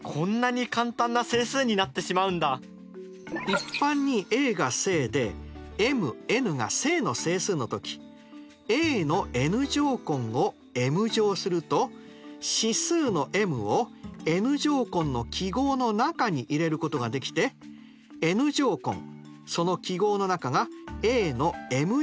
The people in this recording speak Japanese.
一般にａが正でｍｎが正の整数の時ａのｎ乗根をｍ乗すると指数のｍをｎ乗根の記号の中に入れることができてｎ乗根その記号の中がａのｍ乗とした値と等しくなります。